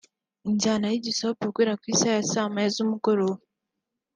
injyana y’igisope guhera ku isaha ya saa moya z’umugoroba